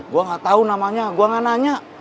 gua gak tau namanya gua gak nanya